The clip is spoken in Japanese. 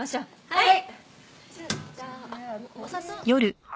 はい！